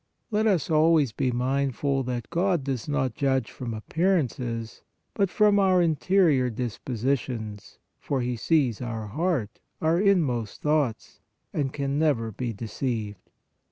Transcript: Let us always be mindful that God does not judge from appearances, but from our interior disposi tions, for He sees our heart, our inmost thoughts, and can never be deceived.